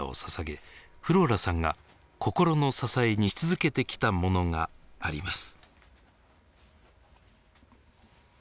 フローラさんが心の支えにし続けてきたものがあります。